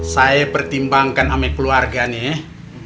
saya pertimbangkan sama keluarga nih